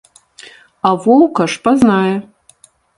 А воўка ж пазнае!